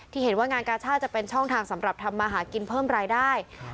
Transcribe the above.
เห็นว่างานกาชาติจะเป็นช่องทางสำหรับทำมาหากินเพิ่มรายได้